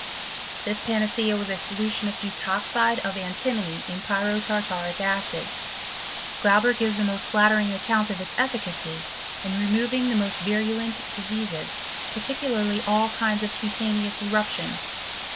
This panacea was a solution of deutoxide of antimony in pyrotartaric acid; Glau ber gives a most flattering account of its efficacy in removing the most virulent diseases, particularly all kinds of cutaneous eruptions.